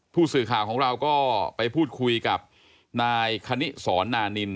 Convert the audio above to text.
ผู้สื่อข่าวของเราก็ไปพูดคุยกับนายคณิสรนานิน